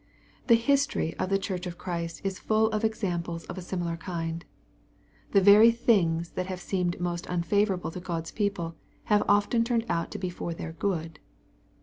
The history of the Church of Christ is full of examples of a similar kind. The very things that have seemed most unfavorable to God's people, have often turned out to be /or their good.